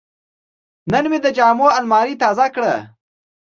نن مې د جامو الماري تازه کړه.